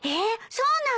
そうなの？